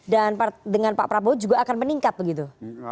dan dengan pak prabowo juga akan meningkat begitu